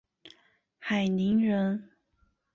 海宁人。